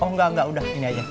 oh enggak enggak udah ini aja